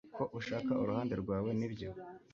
Ko ushaka uruhande rwawe nibyo